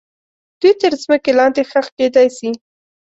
دوی تر مځکې لاندې ښخ کیدای سي.